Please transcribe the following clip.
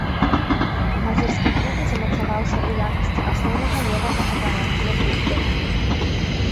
У мазырскім клубе замацаваўся ў якасці асноўнага левага абаронцы.